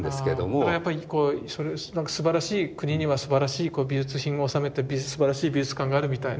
だからやっぱりすばらしい国にはすばらしい美術品を納めたすばらしい美術館があるみたいな。